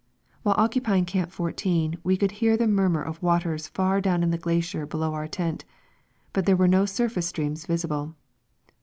While occupying Camp 14 we could hear (he nuu nuir o{ waters far down in the glacier below our tent, but there were no surface streams visible.